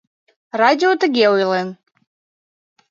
Радио тыге ойлен: